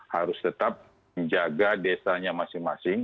harus tetap menjaga desanya masing masing